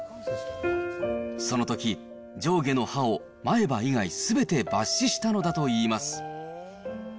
そのとき、上下の歯を前歯以外すべて抜歯したのだといいます。